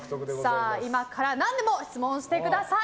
今から何でも質問してください。